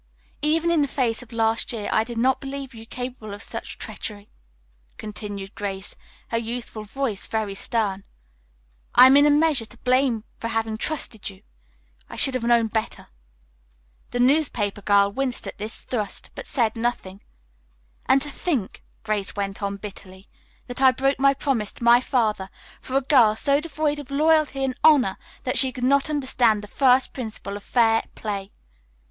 "Even in the face of last year I did not believe you capable of such treachery," continued Grace, her youthful voice very stern. "I am in a measure to blame for having trusted you. I should have known better." The newspaper girl winced at this thrust, but said nothing. "And to think," Grace went on bitterly, "that I broke my promise to my father for a girl so devoid of loyalty and honor that she could not understand the first principle of fair play!"